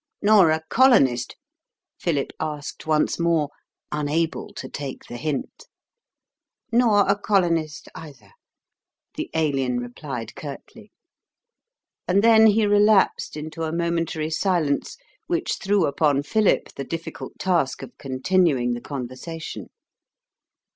"Nor a Colonist?" Philip asked once more, unable to take the hint. "Nor a Colonist either," the Alien replied curtly. And then he relapsed into a momentary silence which threw upon Philip the difficult task of continuing the conversation.